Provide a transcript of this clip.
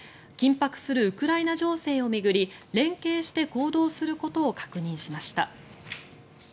緊迫するウクライナ情勢を巡り連携して行動することを確認しました。